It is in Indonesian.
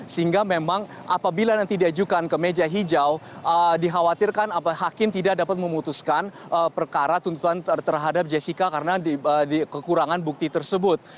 sehingga memang apabila nanti diajukan ke meja hijau dikhawatirkan hakim tidak dapat memutuskan perkara tuntutan terhadap jessica karena kekurangan bukti tersebut